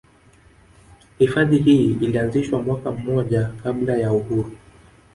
Hifadhi hii ilianzishwa mwaka mmoja kabla ya uhuru